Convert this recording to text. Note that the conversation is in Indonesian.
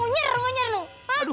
munyir munyir lu